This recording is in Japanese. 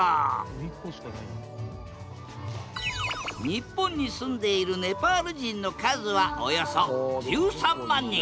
日本に住んでいるネパール人の数はおよそ１３万人。